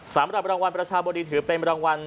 สามรายบรรวมวัลประชาบริถือเป็นบรรวมวัล